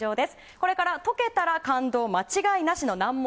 これから解けたら感動間違いなしの難問